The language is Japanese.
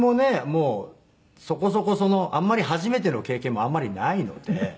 もうそこそこあんまり初めての経験もあんまりないので。